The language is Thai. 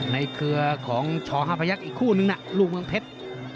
เครือของช๕พยักษ์อีกคู่นึงนะลูกเมืองเพชร